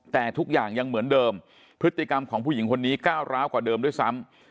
แต่ทุกอย่างยังเหมือนเดิมพฤติกรรมของผู้หญิงคนนี้ก้าวร้าวกว่าเดิมด้วยซ้ำ